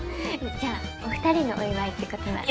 じゃあおふたりのお祝いってことなら。